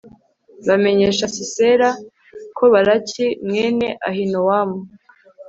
bamenyesha sisera ko baraki mwene ahinowamu